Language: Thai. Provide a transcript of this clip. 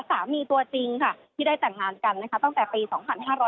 สามีตัวจริงค่ะที่ได้จังหาลกันนะคะตั้งแต่ปี๒๕๕๘ค่ะ